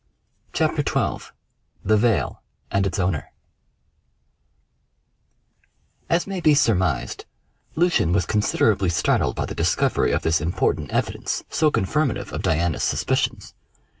CHAPTER XII THE VEIL AND ITS OWNER As may be surmised, Lucian was considerably startled by the discovery of this important evidence so confirmative of Diana's suspicions.